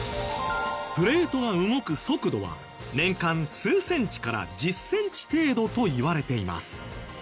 プレートが動く速度は年間数センチから１０センチ程度といわれています。